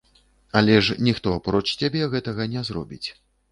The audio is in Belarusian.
Але ж ніхто, апроч цябе, гэтага не зробіць.